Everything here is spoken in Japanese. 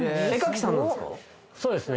そうですね